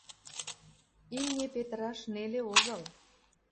Имне петыраш неле огыл